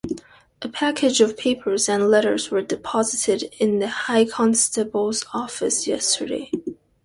A package of papers and letters were deposited in the high constable's office yesterday.